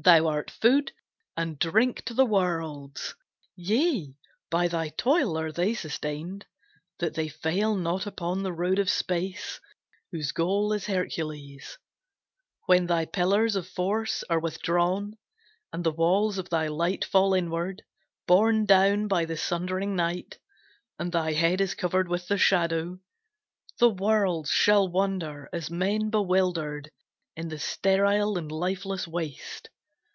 Thou art food and drink to the worlds; Yea, by thy toil are they sustained, That they fail not upon the road of space, Whose goal is Hercules. When thy pillars of force are withdrawn, And the walls of thy light fall inward, Borne down by the sundering night, And thy head is covered with the Shadow, The worlds shall wander as men bewildered In the sterile and lifeless waste.